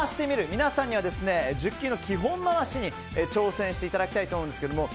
皆さんには１０級の基本回しに挑戦していただきたいと思うんですけども